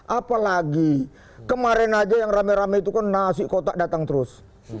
apalagi kemarin aja yang rame rame itu kan nasi kotak datang terus